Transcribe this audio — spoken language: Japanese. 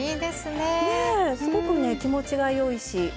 ねえすごくね気持ちが良いし。